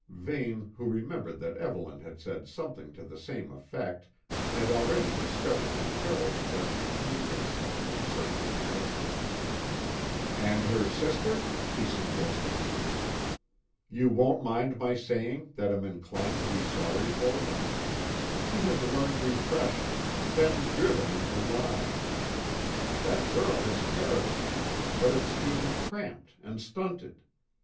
Vane, who remembered that Evelyn had said something to the same effect, had already discovered that Carroll possessed a keen insight in certain matters. "And her sister?" he suggested. "You won't mind my saying that I'm inclined to be sorry for her? She has learned repression been driven into line. That girl has character, but it's being cramped and stunted.